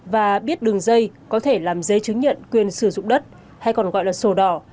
và biết đường dây có thể làm giấy chứng nhận quyền sử dụng đất hay còn gọi là sổ đỏ